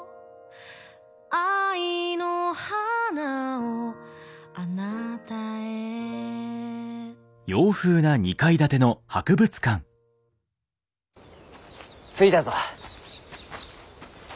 「愛の花を貴方へ」着いたぞ。